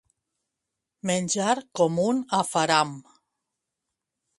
Menjar com un afaram.